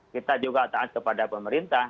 kita juga taat kepada pemerintah